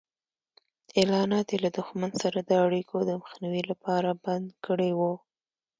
اعلانات یې له دښمن سره د اړیکو د مخنیوي لپاره بند کړي وو.